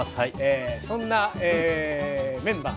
そんなメンバー